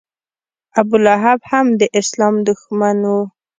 ابولهب هم د اسلام دښمن و.